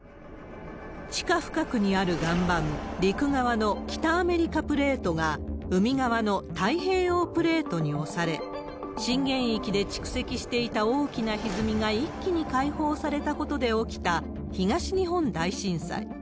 地下深くにある岩盤、陸側の北アメリカプレートが海側の太平洋プレートに押され、震源域で蓄積していた大きなひずみが一気に解放されたことで起きた、東日本大震災。